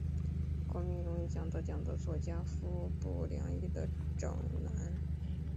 国民荣誉奖得奖的作曲家服部良一的长男。